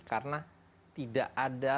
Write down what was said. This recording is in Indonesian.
karena tidak ada